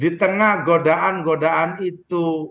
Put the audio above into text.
di tengah godaan godaan itu